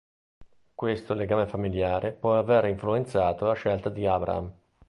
Questo legame familiare può aver influenzato la scelta di Abraham.